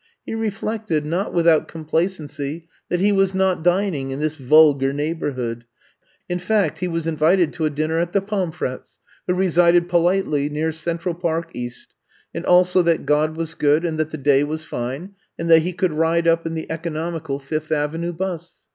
He reflected, not without complacency, that he was not din ing in this vulgar neighborhood. In fact, he was invited to a dinner at the Pomf rets who resided politely near Central Park East, and also that God was good and that the day was fine and that he could ride up in the economical Fifth Avenue bus.